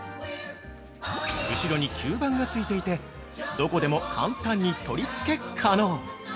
後ろに吸盤が付いていて、どこでも簡単に取り付け可能！